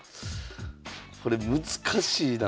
これ難しいなあ。